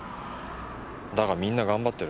だがみんな頑張ってる。